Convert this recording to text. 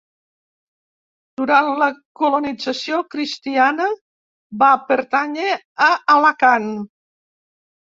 Durant la colonització cristiana va pertànyer a Alacant.